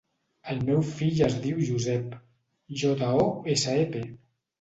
El meu fill es diu Josep: jota, o, essa, e, pe.